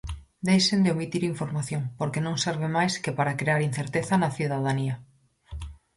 Deixen de omitir información, porque non serve máis que para crear incerteza na cidadanía.